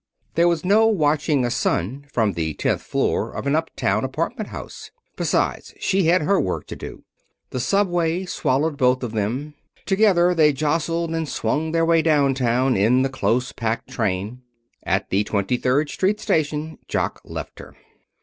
There was no watching a son from the tenth floor of an up town apartment house. Besides, she had her work to do. The subway swallowed both of them. Together they jostled and swung their way down town in the close packed train. At the Twenty third Street station Jock left her.